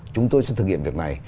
chúng tôi sẽ thực hiện việc này